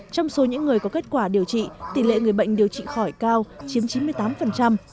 trong số những người có kết quả điều trị tỷ lệ người bệnh điều trị khỏi cao chiếm chín mươi tám